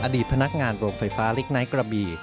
อดีตพนักงานโรงไฟฟ้าลิกไนท์กระบี